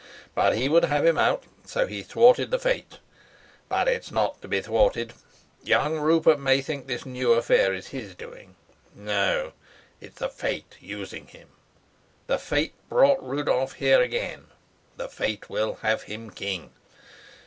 But he would have him out. So he thwarted the fate. But it's not to be thwarted. Young Rupert may think this new affair is his doing. No, it's the fate using him. The fate brought Rudolf here again, the fate will have him king.